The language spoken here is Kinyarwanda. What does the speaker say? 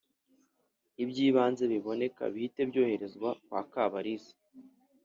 Iby’ibanze biboneka bihite byoherezwa kwa Kabalisa